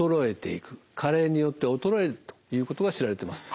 加齢によって衰えるということが知られてます。